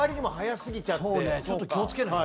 ちょっと気を付けないとね。